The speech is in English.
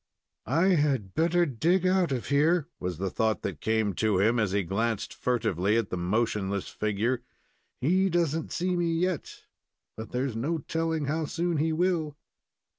"I had better dig out of here," was the thought that came to him, as he glanced furtively at the motionless figure. "He doesn't see me yet, but there is no telling how soon he will."